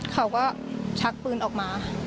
เขาก็ชักปืนออกมา